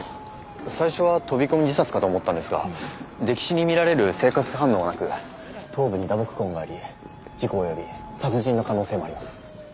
最初は飛び込み自殺かと思ったんですが溺死に見られる生活反応がなく頭部に打撲痕があり事故及び殺人の可能性もあります。